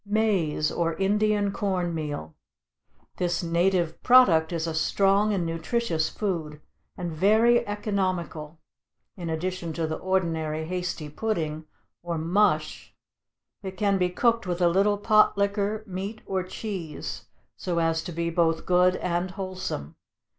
=Maize, or Indian Corn Meal.= This native product is a strong and nutritious food, and very economical; in addition to the ordinary hasty pudding, or mush, it can be cooked with a little pot liquor, meat, or cheese, so as to be both good and wholesome.